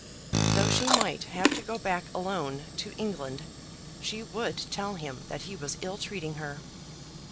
Though she might have to go back alone to England, she would tell him that he was ill treating her.